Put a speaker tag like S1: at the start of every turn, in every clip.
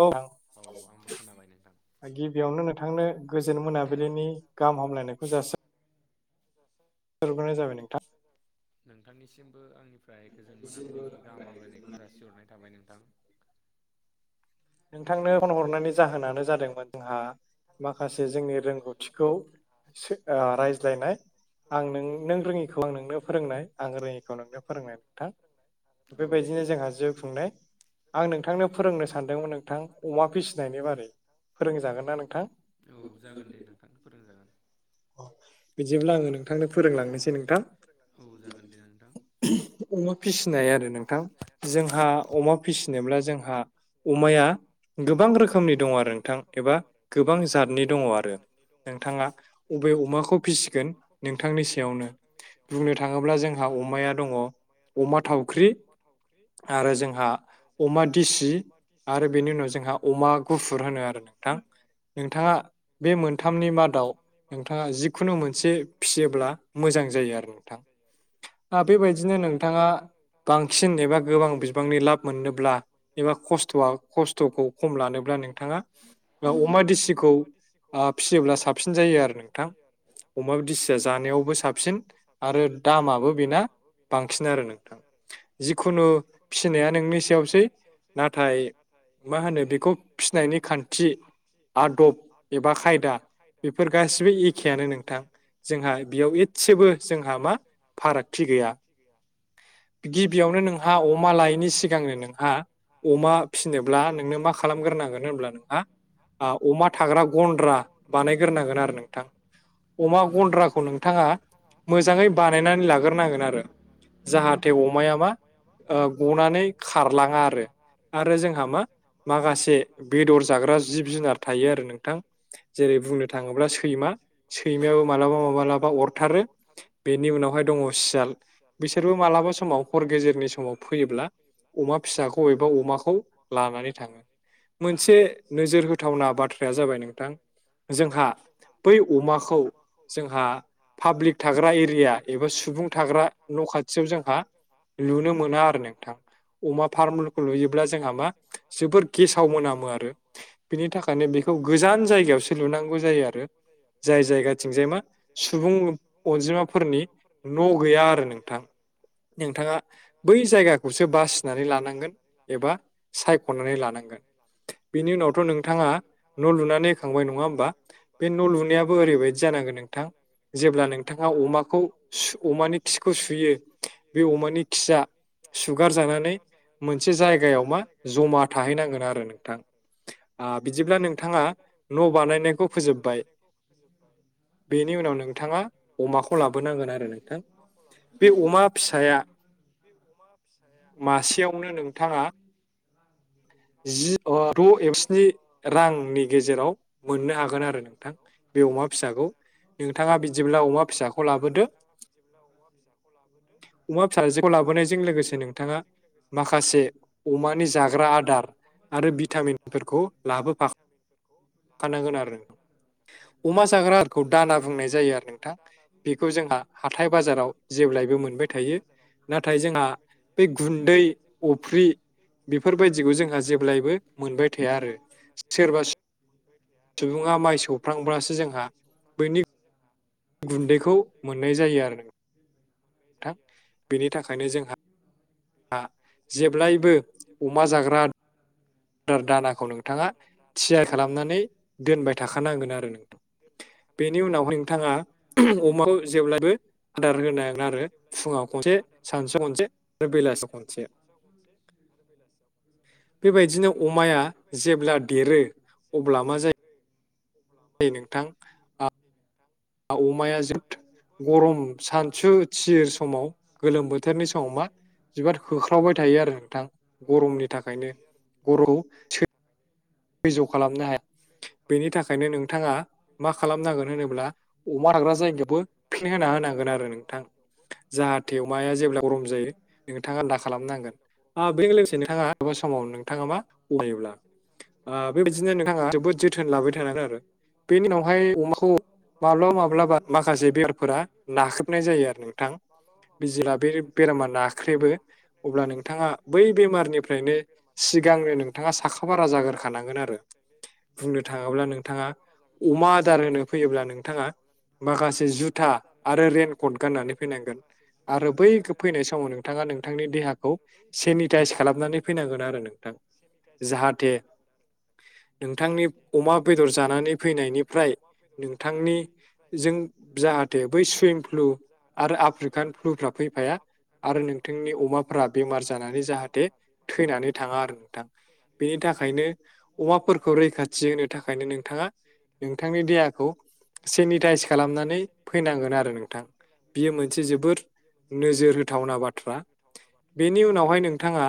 S1: औ
S2: औ आंबो खोनाबाय नोंथां।
S1: गिबियावनो नोंथांनो गोजोन मोनाबिलिनि गाहाम हामलायनायखौ जासि हरग्रोनाय जाबाय नोंथा
S2: नोंथांनिसिमबो आंनिफ्राय गोजोन मोनाबिलिनि गाहाम हामलायनायखौ जासिहरनाय थाबाय नोंथां।
S1: नोंथांनो फन हरनायनि जाहोनानो जादोंमोन जोंहा माखासे जोंनि रोंगौथिखौ सोद ओ रायज्लायनाय। आं नों नों रोङिखौ आं नोंनो फोरोंनाय आं रोङिखौ नोंनो फोरोंनाय नोंथां।
S2: औ
S1: बेबायदिनो जोंहा जिउ खुंनाय आं नोंथांनो फोरोंनो सानदोंमोन नों थां अमा फिसिनायनि बारै फोरोंजागोन ना नोंथां?
S2: औ जागोन दे नोंथां फोरोंजागोन।
S1: अह बिदिब्ला आङो नों
S2: बिदिब्ला आंयो नोंथांनो औ जागोन दे नोंथां।
S1: थिहि अमा फिसिनाय आरो नोंथां जोंहा अमा फिसिनोब्ला जोंहा अमाया गोबां रोखोमनि दङ आरो नोंथां एबा गोबां जातनि दङ आरो। नोंथाङा अबे अमाखौ फिसिगोन नोंथांनि सायावनो। बुंनो थाङोब्ला जोंहा अमाया दङ अमा थावख्रि। आरो जोंहा अमा दिसि आरो बेनि उनाव जोंहा अमा गुफुर होनो आरो नोंथां। नोंथाङा बे मोनथामनि मादाव नोंथाङा जिखुनु मोनसे फिसियोब्ला मोजां जायो आरो नोंथां आ बेबायदिनो नोंथाङा बांसिन एबा गोबां बिबांनि लाब मोननोब्ला एबा खस्थ'आं खस्थ'खौ खम लानोब्ला नोंथाङा अमा देसिखौ आ फिसियोब्ला साबसिन जायो आरो नोंथां। अमाबो दिस दा जानायावबो साबसिन आरो दामाबो बेना बांसिन आरो नोंथां। जिखुनु फिसिनाया नोंनि सायावसै नाथाय मा होनो बेखौ फिनायनि खान्थि आदब एबा खायदा इफोर गासिबो एखेयानो नोंथां जोंहा बियाव इसेबो जोंहा मा फारागथि गैया। गिबियावनो नोंहा अमा लायैनि सिगांनो नोंहा अमा फिनोब्ला नोंनो मा खालामग्रोनांगोन होनब्ला नोंहा आ अमा थाग्रा गन्द्रा बानायग्रोनांगोन आरो नोंथां। अमा गन्द्राखौ नोंथाङा मोजाङै बानायनानै लाग्रोनांगोन आरो जाहाथे अमाया मा ओ गनानै खारलाङा आरो आरो जोंहा मा माखासे बेदर जाग्रा जिब जुनार थायो आरो नोंथां जेरै बुंनो थाङोब्ला सैमा। सैमायाबो माब्लाबा माब्लाबा अरथारो बेनि उनावहाय दङ सियाल। बिसोरबो मालाबा समाव हर गेजेरनि समाव फैयोब्ला अमा फिसाखौ एबा अमाखौ लानानै थाङो। मोनसे नोजोर होथावना बाथ्राया जाबाय नोंथां जोंहा बै अमाखौ जोंहा पाब्लिक थाग्रा एरिया एबा सुबुं थाग्रा न' खाथियाव जोंहा लुनो मोना आरो नोंथां। अमा फार्मुलुखखौ लुयोब्ला जोंहा मा जोबोर गेसाव मोनामो आरो। बिनि थाखायनो बेखौ गोजान जायगायावसो लुनांगौ जायो आरो। जाय जायगान थिंजाय मा सुबुं अनजिमाफोरनि न' गैया आरो नोंथां। नोंथाङा बै जायगाखौसो बासिनानै लानांगोन एबा सायख'नानै लानांगोन। बिनि उनावथ' नोंथाङा न' लुनानै होखांबाय नङा होमबा? बे न' लुनायाबो ओरैबायदि जानांगोन नोंथां। जेब्ला नोंथाङा अमाखौ सु अमानि खिखौ सुयो बे अमानि खिया सुगार जानानै मोनसे जायगायाव मा जमा थाहैनांगोन आरो नोंथां। आ बिदिब्ला नोंथाङा न' बानायनायखौ फोजोब
S2: फानायनायखौ फोजोब नांगौ
S1: बेनि उनाव नोंथाङा अमाखौ लाबोनांगोन आरो नोंथां बे अमा फिसाया
S2: बे अमा फिसाया
S1: मासेयावनो नोंथाङा
S2: मासेयाव बै
S1: जि द' एबस्नि रांनि गेजेराव मोननो हागोन आरो नोंथां बे अमा फिसाखौ नोंथाङा बिदिब्ला अमा फिसाखौ लाबोदो अमा फिसाजोखौ लाबोनायजों लोगोसे नोंथाङा माखासे अमानि जाग्रा आदार आरो भिटामिनफोरखौ लाबोफानांगोन आरो नोंथां। अमा जाग्रा खौ दाना बुंनाय जायो आरो नोंथां बेखौ जोंहा हाथाय बाजाराव जेब्लायबो मोनबाय थायो। नाथाय
S2: जेब्लायबो
S1: जोंहा
S2: मोनबाय थायो।
S1: बे गुन्दै अफ्रि बेफोरबायदिखौ जोंहा जों जेब्लायबो मोनबाय थाया आरो सोरबा सुबुङा माइ सौ
S2: सोरबा सुबुङा माइ सौनांगौवासो जोंहा
S1: गुन्दैखौ मोननाय जायो आरो बेनि थाखायनो जोंहा जेब्लायबो अमा जाग्रा आर्दार दानाखौ नोंथाङा थियार खालामनानै दोनबाय थाखानांगोन आरो नोंथां बेनि उनावहाय नोंथाङा अमाखौ जेबब्लाायबो आदार होनांगोन आरो फुङाव खनसे सानसेयाव खनसे आरो बेलासिआव खनसे
S2: खथियाव खनसे बेलासियाव
S1: बेबायदिनो अमाया जेब्ला देरो अब्ला मा जायो?
S2: अब्ला मा
S1: नोंथां
S2: जायो
S1: अमाया जोद गरम सानसु थिर समाव गोलोम बोथोरनि समाव मा बिबा होख्रावबाय थायो आरो नोंथां गरमनि थाखायनो गरम सो खैज'खालामनो हाया बेनि थाखायनो नोंथाङा मा खालामनांगोन होनोब्ला अमा लाग्रा जायगायावबो फेन होना होनांगोन आरो नोंथां जाहाथे अमाया जेब्ला गरम जायो नोंथाङा दा खालामनांगोन ओ बेजों लोगोसे नोंथाङा समाव नोंथाङा मा
S2: बेजों
S1: अरायोब्ला
S2: लोगोसेनो जोंना
S1: ओ बेबायदिनो नोंथाङा जोबोद जोथोन लाबाय थानांगोन आरो बेनि उनावहाय अमाखौ माब्लाबा माब्लाबा माखासे बेरामफोरा नाख्रेबनाय जायो आरो नोंथां बिजेब्ला बे बेरामा नाख्रेबो अब्ला नोंथाङा बै बेमारनिफ्रायनो सिगांनो नोंथाङा साखाफारा जागोन खानांगोन आरो बुंनो थाङोब्ला नोंथाङा अमा आदार होनो फैयोब्ला नोंथाङा माखासे जुथा आरो रेन कट गाननानै फैनांगोन आरो बै फैनाय समावनो नोंथाङा नोंथांनि देहाखौ सेनिटाइस खालामनानै फैनांगोन आरो नोंथां
S2: गाइस
S1: जाहाथे
S2: खालामनानै फैनांगोन
S1: नोंथांनि अमा बेदर जानानै फैनायनिफ्राय नोंथांनि जों जाहाथे बै सुइम फ्लु आरो आफ्रिकान फ्लुफ्रा फैफाया आरो नोंथांनि अमाफोरा बेमार जानानै जाहाथे थैनानै थांङा आरो नोंथां बेनि थाखायनो अमाफोरखौ रैखाथि होनो थाखायनो नोंथाङा नोंथांनि देहाखौ सेनिटाइस खालामनानै फैनांगोन आरो नोंथां बेयो मोनसे जोबोर नोजोर होथावना बाथ्रा बेनि उनावहाय नोंथाङा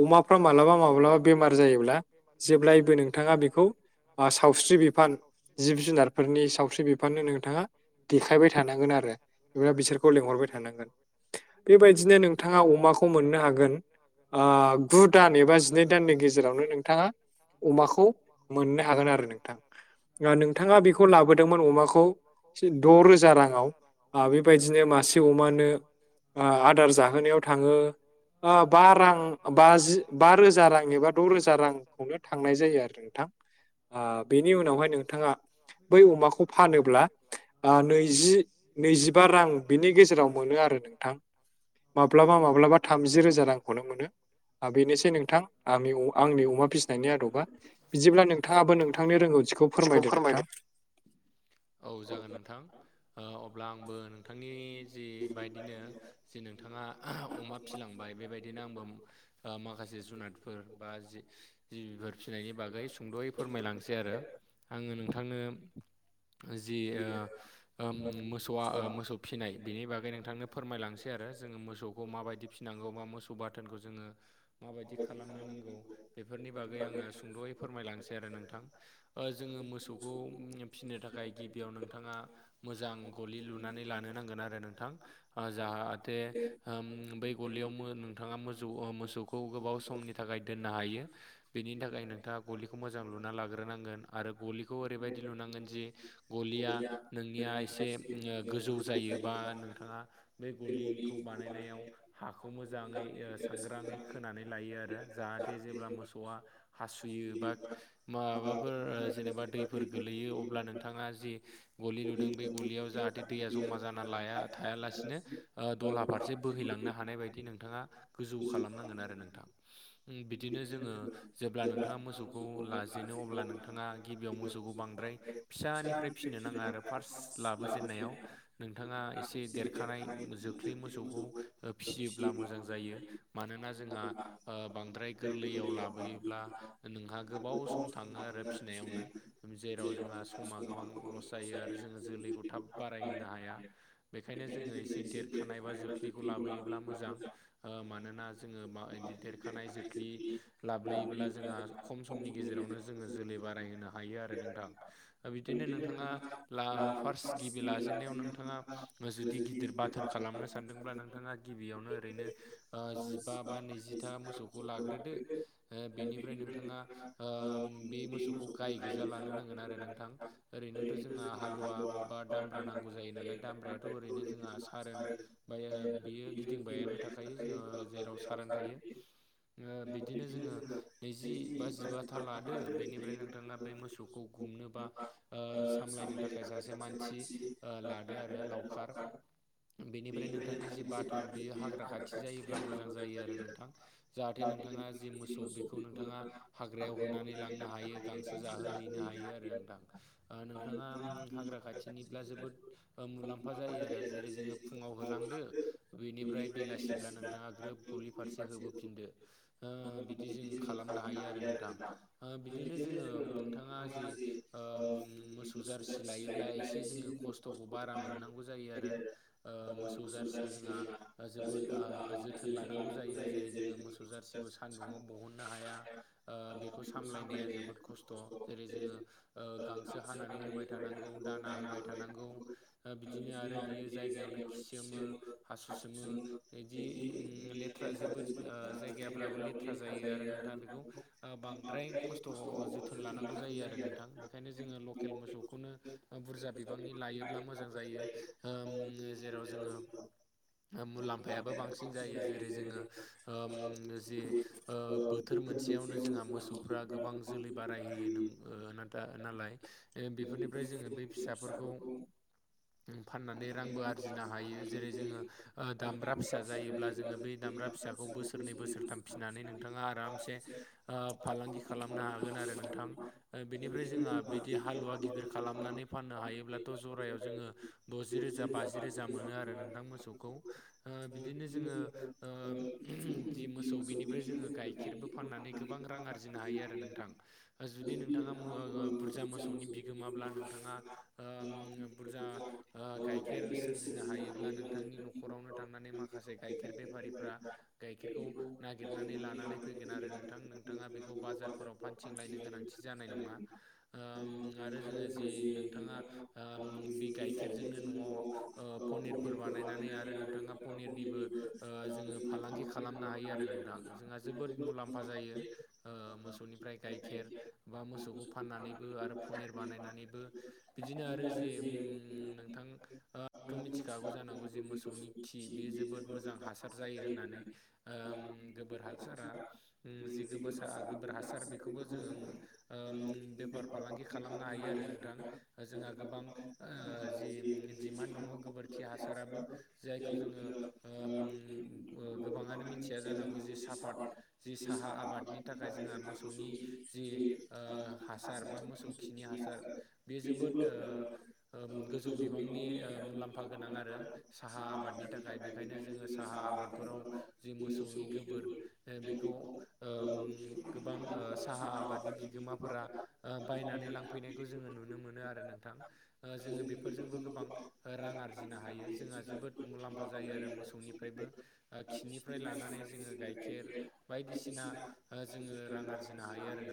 S1: ओ अमा फ्राय माब्लाबा माब्लाबा बेमार जायो।
S2: माब्लाबा बेमार जायोब्ला जेब्लायबो नोंथाङा
S1: ओ सावस्रि
S2: बेखौ
S1: बिफान
S2: सावस्रि
S1: जिब जुनारफोरनि सावस्रि बिफाननो नोंथाङा देखायबाय थानांगोन आरो एबा बिसोरखौ लेंंहरबाय थानांगोन बेबायदिनो नों नोंथाङा अमाखौ मोननो हागोन ओ गु दान एबा जिनै दाननि गेजेरावनो नोंथाङा अमाखौ मोननो हागोन आरो नोंथां ओ नोंथाङा बेखौ लाबोदोंमोन अमाखौ द' रोजा राङाव ओ बेबायदिनो मासे अमानो ओ आदार जाहोनायाव थाङो ओ बा रां बाजि बा रोजा रां एबा द' रोजा रांखौनो थांनाय जायो आरो नोंथां ओ बेनि उनावहाय नोंथाङा
S2: बै अमाखौ फानोब्ला
S1: ओ नैजि नैजिबा रां बिनि गेजेराव मोनो आरो नोंथां माब्लाबा माब्लाबा थामजि रोजा रांखौनो मोनो बेनोसै नोंथां आंनि आंनि अमा फिसिनायनि आदबा बिदिब्ला नोंथाङाबो नोंथांनि रोंगौथिखौ फोरमायदो नोंथां।
S2: औ जागोन नोंथां ओ अब्ला आंबो नों नोंथांनि जि बायदिनो जि नोंथाङा अमा फिलांबाय बेबायदिनो आंबो ओ माखासे जुनादफोर बा जि- जिबिफोर फिसिनायनि बागै सुंद'यै फोरमायलांसै आरो आङो नोंथांनो जि ओ ओम मोसौआ मोसौ फिसिनाय बेनि बागै नोंथांनो फोरमायलांसै आरो जोङो मोसौखौ माबायदि फिसिनांगौ बा मोसौ बाथोनखौ जोङो माबायदि खालामनो नांगौ बेफोरनि बागै आङो सुंद'यै फोरमायलांसै आरो नोंथां ओ जोङो मोसौखौ फिसिनो थाखाय गिबियाव नोंथाङा मोजां गलि लुनानै लानो नांगोन आरो नोंथां ओ जाहाथे ओम बै गलियाव नोंथाङा मोसौ मोसौखौ गोबाव समनि थाखाय दोननो हायो। बेनि थाखाय नोंथाङा गलिखौ मोजां लुना लाग्रोनांगोन आरो गलिखौ ओरैबायदि लुनांगोन जि गलिया नोंनिया एसे ओम गोजौ जायो बा नोंथाङा बे गलिखौ बानायनायाव हाखौ मोजाङै ओ सांग्राङै खोनानै लायो आरो जाहाथे जेब्ला मोसौआ हासुयो बा माबाफोर जेनेबा दैफोर गोलैयो अब्ला नोंथाङा जि गलि लुदों बे गलियाव जाहाथे दैया जमा जाना लाया थायालासिनो ओ दलहा फारसे बोहैलांनो हानाय बायदि नोंथाङा गोजौ खालामनांगोन आरो नोंथां ओम बिदिनो जोङो जेब्ला नोंथाङा मोसौ खौ लाजेनो अब्ला नोंथाङा गिबियाव मोसौखौ बांद्राय फिसानिफ्राय फिनो नाङा आरो फार्स्ट लाबोजेननायाव नोंथाङा एसे देरखानाय जो- ख्लि मोसौखौ फिसियोब्ला मोजां जायो। मानोना जोंहा ओ बांद्राय गोरलैयाव लाबोयोब्ला नोंहा गोबाव सम थाङो आरो फिनायावनो जेराव जोंहा समा गोबां लस जायो आरो जोङो जोलैखौ थाब बारायहोनो हाया। बेखायनो जोङो एसे देरखानाय बा जोख्लिखौ लाबोयोब्ला मोजां ओ मानोना जोङो बिदि देरखानाय जोख्लि लाब्लोयोब्ला जोंहा खम समनि गेजेरावनो जोङो जोलै बारायहोनो हायो आरो नोंथां। ओ बिदिनो नोंथाङा ब्ला फार्स्ट गिबि लाजेननायाव नोंथाङा जुदि गिदिर बाथोर खालामनो सानदोंब्ला नोंथाङा गिबियावनो ओरैनो ओ जिबा बा नैजिथा मोसौखौ लाग्रोदो बेनिफ्राय नों- थाङा बे मोसौखौ गाय गोजा लानो नांगोन आरो नोंथां। ओरैनोथ' जोंहा हालुवा बा दामब्रा नांगौ जायो नालाय दामब्रायाथ' ओरैनो जोंहा सारोन ओमफ्राय बियो गिदिंबायानो थाखायो जेराव सारान थायो। ओ बिदिनो जोङो नैजि बा जिबाथा लादो बेनिफ्राय नोंथाङा बै मोसौखौ गुमनो बा ओ सामलायनो थाखाय थाखाय सासे मानसि ओ लादो आरो लावखार बेनिफ्राय नों- नोंथांनि जि बाथोन बियो हाग्रा खाथि जायोब्ला मोजां जायो आरो नोंथां। जाहाथे नोंथाङा जि मोसौ बेखौ नोंथाङा हाग्रायाव होनानै लांनो हायो गांसो जाहोहैनो हायो आरो नोंथां ओ नोंथाङा हाग्रा खाथिनिब्ला जोबोद ओ मुलाम्फा जायो आरो जेरै जोङो फुङाव होलांदो बेनिफ्राय बेलासिब्ला नोंथाङा ग्रोब गलि फारसे होबोफिनदो। ओ बिदि जों खालामनो हायो आरो नोंथां। ओ बिदिनो जोङो ओम नोंथाङा जि ओम मोसौ जारसि लायोब्ला एसे जोङो खस्थ'खौ बारा मोननांगौ जायो आरो। ओ मोसौ जारसिखौ जोंहा जोबोद ओ जोथोन लानांगौ जायो जेरै जोङो मोसौ जारसिखौ सानदुंङाव बहननो हाया। ओ बेखौ सामलायनाया जोबोद खस्थ' जेरै जोङो ओ गांसो हानानै होबाय थानांगौ दाना होबाय थानांगौ। ओ बिदिनो आरो बियो जायगायावनो खिसोमो हासु सोमो। बिदि ओम लेथ्रा जोबोद ओ जायगाफ्राबो लेथ्रा जायो आरो नोंथाङा बेखौ ओ बांद्राय खस्थ' जोथोन लानांगौ जायो आरो नोंथां बेखायनो जोङो लकेल मोसौखौनो बुरजा बिबांनि लायोब्ला मोजां जायो ओम जेराव जोङो मुलाम्फायाबो बांसिन जायो जेरै जोङो ओम जि ओ बोथोर मोनसेयावनो जोंहा मोसौफ्रा गोबां जोलै बारायहोयो ओ नालाय बेफोरनिफ्राय जोङो बे फिसाफोरखौ
S1: [inaudible]
S2: ओम फाननानै रांबो आरजिनो हायो जेरै जोङो ओ दामब्रा फिसा जायोब्ला जोङो बै दामब्रा फिसाखौ बोसोरनै बोसोरथाम फिसिनानै नोंथाङा आरामसे ओ फालांगि खालामनो हागोन आरो नोंथां। ओ बेनिफ्राय जोंहा बिदि हालुवा गिदिर खालामनानै फाननो हायोब्लाथ' जरायाव जोंङो द'जि रोजा बाजि रोजा मोनो आरो नोंथां मोसौखौ। ओ बिदिनो जोंङो ओ ओम जि मोसौ बिनिफ्राय जोंङो गाइखेरबो फाननानै गोबां रां आरजिनो हायो आरो नोंथां। जुदि नोंथांङा मोओ ओ बुरजा मोसौनि बिगोमाब्ला नोंथांङा ओ ओम बुरजा ओ गाइखेर सोरजिनो हायोब्ला नोंथांनि न'खरावनो थांनानै माखासे गाइखेर बेफारिफ्रा गाइखेरखौ नागिरनानै लानानै फैगोन आरो नों नोंथां नोंथांङा बेखौ बाजारफोराव फानथिंलायनो गोनांथि जानाय नंङा ओ ओम आरो जि नोंथांङा ओ बे गाइखेरजोंनो न'आव पनिरफोर बानायनानै आरो नोंथांङा पनिरनिबो ओ जोंङो फालांगि खालामनो हायो आरो नोंथां जोंहा जोबोद मुलाम्फा जायो। ओ मोसौनिफ्राय गाइखेर बा मोसौखौ फाननानैबो आरो पनिर बानायनानैबो बिदिनो आरो जे ओम नोंथां मिथिखागौ जानांगौ जे मोसौनि खि बे जोबोद मोजां हासार जायो होननानै, ओम गोबोर हासारा ओम जि गोबोर गोबोर हासार बेखौबो जों ओम बेफार फालांगि खालामनो हायो आरो नोंथां। जोंहा गोबां जि डिमान्ड दंङ गोबोरखि हासाराबो जायखौ जोंङो ओ ओम ओ गोबांङानो मिथिया जानांगौ जे साफात जि साहा आबादनि थाखाय जोंहा मोसौनि जि ओ हासार बा मोसौ खिनि हासार बे जोबोद ओ ओ गोजौ बिबांनि ओ मुलाम्फा गोनां आरो। साहा आबादनि थाखाय बेखायनो जोंङो साहा आबादफोराव जि मोसौनि गोबोर बि बेखौ गोबां साहा आबादनि बिगोमाफोरा ओ बायनानै लांफैनायखौ जोंङो नुनो मोनो आरो नोंथां। जोंङो बेफोरजोंबो गोबां रां आरजिनो हायो जोंहा जोबोद मुलाम्फा जायो आरो मोसौनिफ्रायबो। ओ खिनिफ्राय लानानै जोंङो गाइखेर बायदिसिना ओ जोंङो रां आरजिनो हायो आरोना।